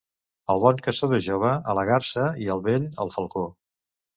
El bon caçador jove, a la garsa, i el vell, al falcó.